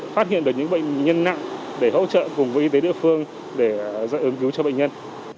phát hiện được những bệnh nhân nặng để hỗ trợ cùng với y tế địa phương để dạy ứng cứu cho bệnh nhân